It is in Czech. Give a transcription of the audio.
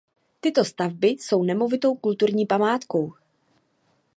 Tyto stavby jsou nemovitou kulturní památkou.